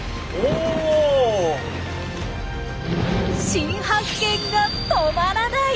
新発見が止まらない！